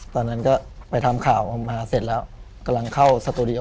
ตอนนั้นก็ไปทำข่าวออกมาเสร็จแล้วกำลังเข้าสตูดิโอ